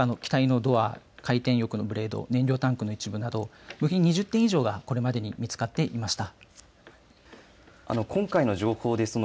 例えば機体のドア回転翼のブレード燃料タンクの一部など部品２０点以上がこれまでに見つかっていました。